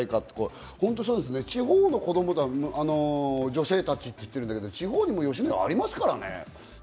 地方の女性たちと言ってるけど、地方にも吉野家ありますからね。